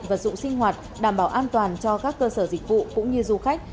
vật dụng sinh hoạt đảm bảo an toàn cho các cơ sở dịch vụ cũng như du khách